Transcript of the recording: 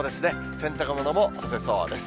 洗濯物も干せそうです。